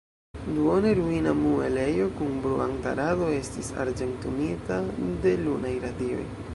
Duone ruina muelejo kun bruanta rado estis arĝentumita de lunaj radioj.